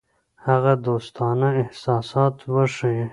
هغه دوستانه احساسات وښيي.